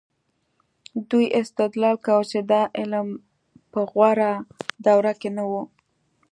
دوی استدلال کاوه چې دا علم په غوره دوره کې نه و.